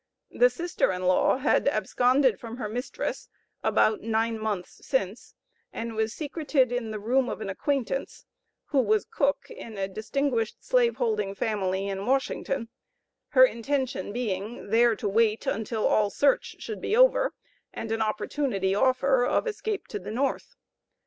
The sister in law had absconded from her mistress about nine months since, and was secreted in the room of an acquaintance, who was cook in a distinguished slave holding family in Washington; her intention being, there to wait until all search should be over, and an opportunity offer of escape to the North.